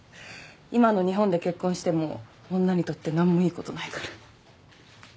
今の日本で結婚しても女にとってなんもいい事ないから。